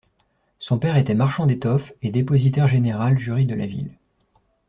Son père était marchand d'étoffes et Dépositaire Général jury de la ville.